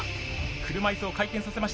車いすを回転させました。